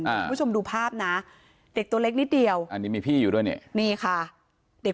คุณผู้ชมดูภาพนะเด็กตัวเล็กนิดเดียวอันนี้มีพี่อยู่ด้วยเนี่ยนี่ค่ะเด็ก